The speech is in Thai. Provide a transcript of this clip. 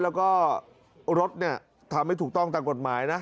แล้วก็รถทำไม่ถูกต้องตามกฎหมายนะ